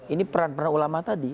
ini peran peran ulama tadi